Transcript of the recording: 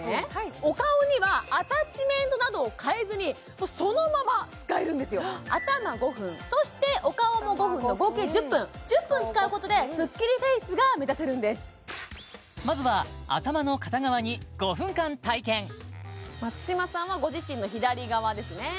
お顔にはアタッチメントなどを変えずにそのまま使えるんですよ頭５分そしてお顔も５分と合計１０分１０分使うことでスッキリフェイスが目指せるんですまずは頭の片側に５分間体験松嶋さんはご自身の左側ですね